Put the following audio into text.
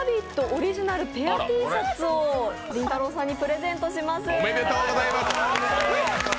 オリジナルペアＴシャツをりんたろーさんにプレゼントいたします。